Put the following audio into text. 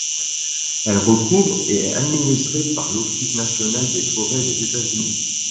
Elle recouvre et est administrée par l'Office national des forêts des États-Unis.